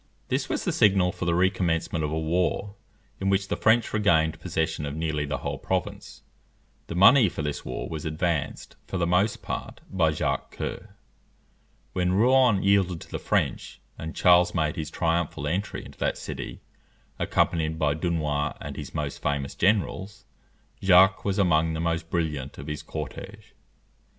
This was the signal for the recommencement of a war, in which the French regained possession of nearly the whole province. The money for this war was advanced, for the most part, by Jacques Coeur. When Rouen yielded to the French, and Charles made his triumphal entry into that city, accompanied by Dunois and his most famous generals, Jacques was among the most brilliant of his cortège.